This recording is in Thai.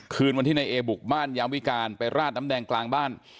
คืนวันที่นายเอบุกบ้านยามวิการไปราดน้ำแดงกลางบ้าน